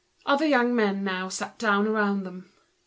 Other young men now sat down around them.